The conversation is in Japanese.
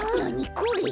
これ。